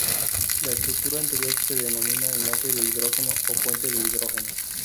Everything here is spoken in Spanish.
La estructura anterior se denomina enlace de hidrógeno o puente de hidrógeno.